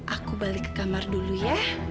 aku balik ke kamar dulu ya